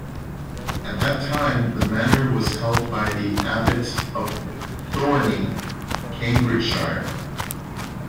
At that time the manor was held by the Abbot of Thorney, Cambridgeshire.